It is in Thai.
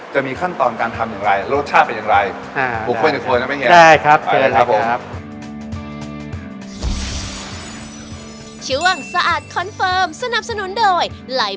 จะมีขั้นตอนการทำอย่างไรรสชาติเป็นอย่างไร